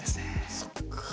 そっか。